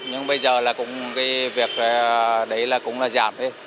nhưng bây giờ là cũng cái việc đấy là cũng là giảm đi